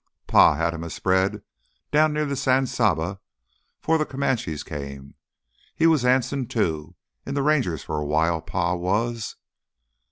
"Pa had him a spread down near th' San Sabe 'fore th' Comanches came. He was Anson, too—in th' Rangers for a while, Pa was."